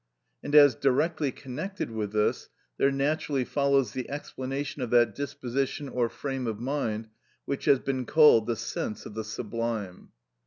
And as directly connected with this, there naturally follows the explanation of that disposition or frame of mind which has been called the sense of the sublime.